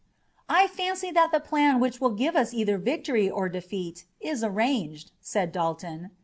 "I fancy that the plan which will give us either victory or defeat is arranged," said Dalton.